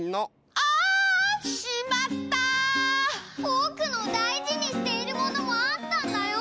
ぼくのだいじにしているものもあったんだよ！